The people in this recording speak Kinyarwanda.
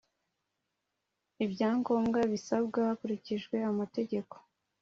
Ibyangombwa bisabwa hakurikijwe amategeko